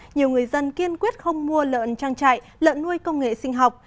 nhiều người dân kiên quyết không mua lợn trang trại lợn nuôi công nghệ sinh học